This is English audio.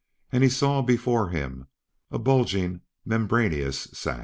And he saw before him a bulging, membraneous sac.